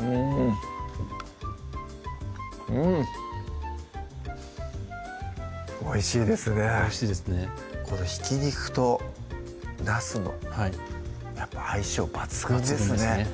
うんうんおいしいですねおいしいですねこのひき肉となすのやっぱ相性抜群ですね